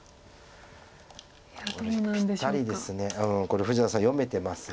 これ富士田さん読めてます。